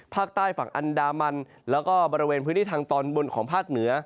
ภาคใต้ฝั่งอันดามันแล้วก็บริเวณพื้นที่ทางตอนบนของภาคเหนือ